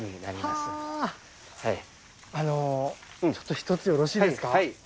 ちょっと一つよろしいですか？